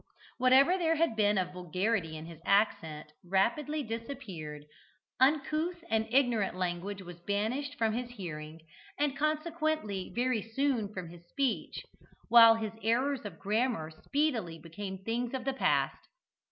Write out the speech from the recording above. Whatever there had been of vulgarity in his accent rapidly disappeared, uncouth and ignorant language was banished from his hearing, and consequently very soon from his speech, while his errors of grammar speedily became things of the past.